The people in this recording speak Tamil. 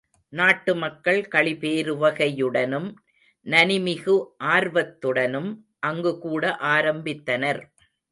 நாட்டு மக்கள் களிபேருவகையுடனும் நனிமிகு ஆர்வத்துடனும் அங்கு கூட ஆரம்பித்தனர்.